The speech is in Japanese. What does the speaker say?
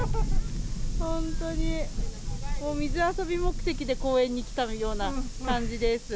本当に、水遊び目的で公園に来たような感じです。